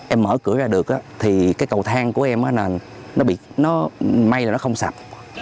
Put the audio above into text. em mở cửa ra được thì cái cầu thang của em nó may là nó không sạc